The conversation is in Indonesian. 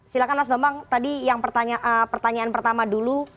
silahkan mas bambang tadi yang pertanyaan pertama dulu